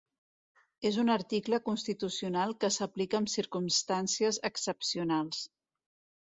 És un article constitucional que s’aplica en circumstàncies excepcionals.